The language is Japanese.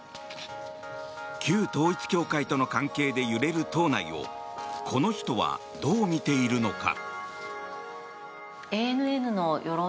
旧統一教会との関係で揺れる党内をこの人はどう見ているのか。